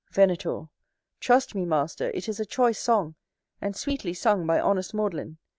Venator. Trust me, master, it is a choice song, and sweetly sung by honest Maudlin.